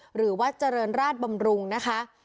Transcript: หรือวัดเจริญราชบำรุงนะคะ